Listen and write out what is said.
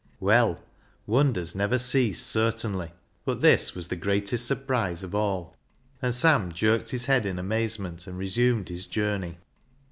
Well, wonders never cease certainly, but this was the greatest surprise of all, and Sam jerked his head in amazement and resumed his journey.